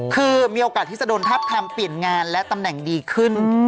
คือมีโอกาสที่จะโดนทับทำเปลี่ยนงานและตำแหน่งดีขึ้น